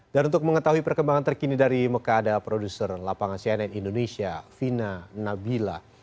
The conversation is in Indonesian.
untuk mengetahui perkembangan terkini dari mekah ada produser lapangan cnn indonesia vina nabila